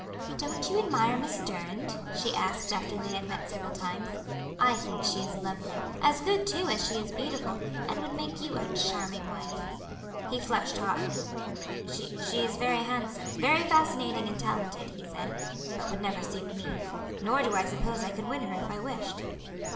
"Don't you admire Miss Durand?" she asked, after they had met several times. "I think she is lovely; as good, too, as she is beautiful; and would make you a charming wife." He flushed hotly. "She is very handsome, very fascinating and talented," he said; "but would never suit me. Nor do I suppose I could win her if I wished."